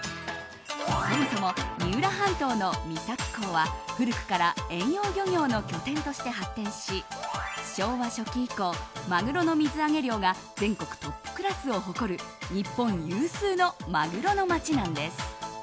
そもそも三浦半島の三崎港は古くから遠洋漁業の拠点として発展し昭和初期以降マグロの水揚げ量が全国トップクラスを誇る日本有数のマグロの街なんです。